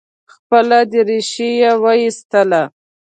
خپله درېشي یې وایستله.